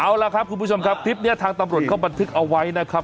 เอาล่ะครับคุณผู้ชมครับคลิปนี้ทางตำรวจเขาบันทึกเอาไว้นะครับ